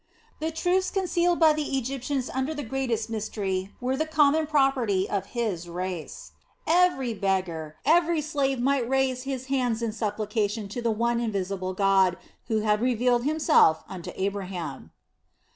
The truths concealed by the Egyptians under the greatest mystery were the common property of his race. Every beggar, every slave might raise his hands in supplication to the one invisible God who had revealed Himself unto Abraham.